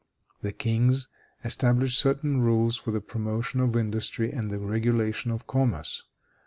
The kings established certain rules for the promotion of industry and the regulation of commerce.